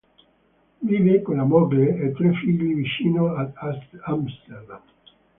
Vive con la moglie e i tre figli vicino ad Amsterdam.